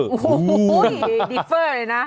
โอ้โหดิเฟอร์เลยนะ